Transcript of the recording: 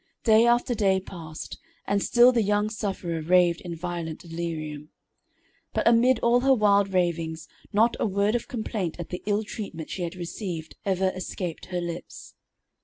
Day after day passed, and still the young sufferer raved in violent delirium. But amid all her wild ravings not a word of complaint at the ill treatment she had received ever escaped her lips.